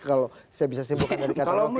kalau saya bisa simpulkan dari kata bung roki tadi